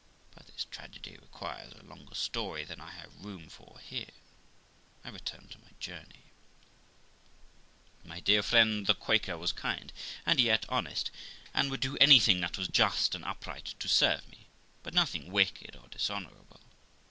But this tragedy requires a longer story than I have room for here. I return to my journey. My dear friend the Quaker was kind, and yet honest, and would do anything that was just and upright to serve me, but nothing wicked or dishonourable.